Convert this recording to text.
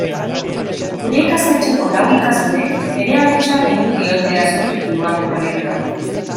Gure ikastetxeko lau ikasleek bere aletxoa gehitu diote azpitituluak proiektuari.